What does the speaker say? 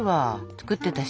作ってたし。